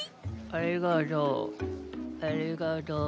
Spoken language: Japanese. ありがとオ。